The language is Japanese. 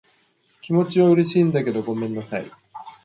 気持ちは嬉しいんだけど、ごめんなさい。